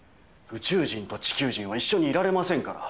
宇宙人と地球人は一緒にいられませんから。